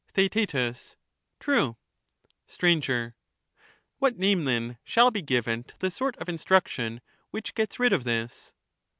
Theaet. True. Str. What name, then, shall be given to the sort of in struction which gets rid of this